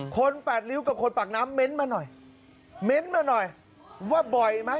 แปดริ้วกับคนปากน้ำเม้นต์มาหน่อยเม้นต์มาหน่อยว่าบ่อยไหม